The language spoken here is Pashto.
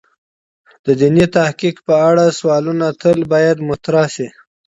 د دیني تحقیق په اړه سوالونه تل باید مطرح شی.